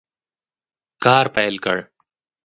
کار پیل کړ.